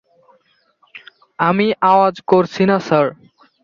আমি আওয়াজ করছি না স্যার!